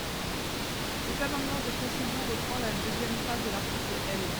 Cet amendement de précision reprend la deuxième phrase de l’article L.